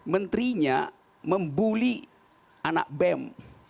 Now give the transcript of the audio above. menterinya membuli anak bem